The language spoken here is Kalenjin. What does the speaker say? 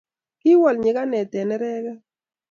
kiwol nyikanet eng nerekek